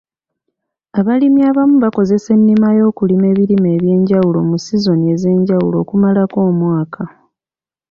Abalimi abamu bakozesa ennima y'okulima ebirime eby'enjawulo mu sizoni ez'enjawulo okumalako omwaka.